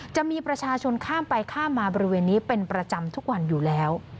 จะมีประชาชนข้ามไปข้ามมาบริเวณนี้เป็นประจำทุกวันอยู่แล้ว